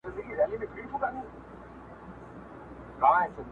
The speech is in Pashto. ستا له میرات میرات یادونو سره